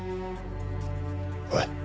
おい。